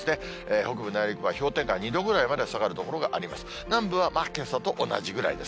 北部、内陸部では氷点下２度ぐらいまで下がる所があります。